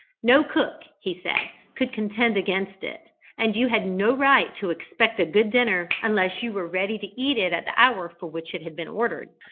No cook, he said, could contend against it, and you had no right to expect a good dinner unless you were ready to eat it at the hour for which it had been ordered.